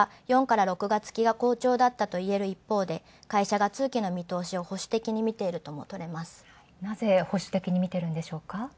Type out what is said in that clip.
これは４から６月期が好調だったといえる一方会社が通期の見通しを保守的に見ているとも。